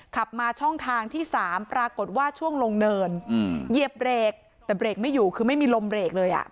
ขับมาช่องทางที่สามปรากฏว่าช่วงลงเนินเหยียบเบรกแต่เบรกไม่อยู่คือไม่มีลมเบรกเลยอ่ะ